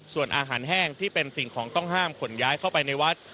ส่วนอาหารแห้งที่เป็นสิ่งของต้องห้ามขนย้ายเข้าไปในวัด